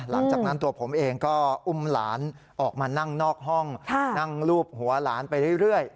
หลังจากนั้นตัวผมเองก็อุ้มหลานออกมานั่งนอกห้องนั่งลูบหัวหลานไปเรื่อย